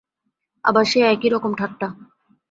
আবার সেই একই রকম ঠাট্টা!